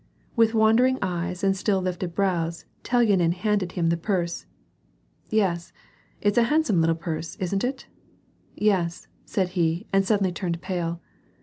With wandering eyes and still lifted brows, Telyanin handed him the purse. " Yes, it's a handsome little purse, isn't it ?— Yes "— said he and suddenly turned pale.